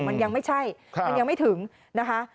มันยังไม่ใช่มันยังไม่ถึงนะคะ